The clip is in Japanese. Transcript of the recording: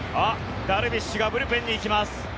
ダルビッシュがブルペンに行きます。